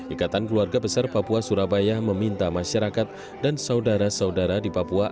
ikatan keluarga besar papua surabaya meminta masyarakat dan saudara saudara di papua